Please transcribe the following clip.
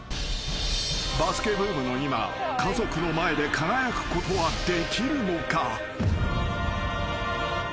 ［バスケブームの今家族の前で輝くことはできるのか？］